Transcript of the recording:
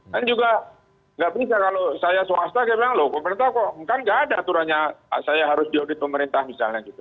kan juga nggak bisa kalau saya swasta saya bilang loh pemerintah kok kan nggak ada aturannya saya harus diaudit pemerintah misalnya gitu